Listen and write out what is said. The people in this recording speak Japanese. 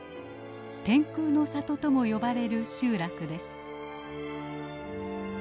天空の里とも呼ばれる集落です。